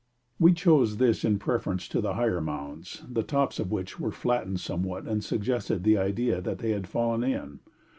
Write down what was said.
We chose this in preference to the higher mounds, the tops of which were flattened somewhat and suggested the idea that they had fallen in.